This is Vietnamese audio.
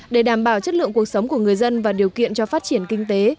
để đảm bảo chất lượng cuộc sống của người dân và điều kiện cho phát triển kinh tế